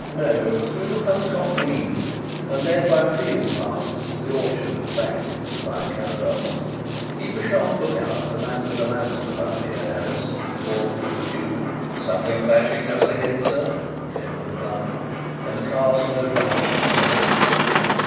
"No; through Hunscott Green and then by a field path to the orchard at the back," replied Carrados. "Keep a sharp look out for the man with the lantern about here, Harris," he called through the tube. "Something flashing just ahead, sir," came the reply, and the car slowed down and stopped.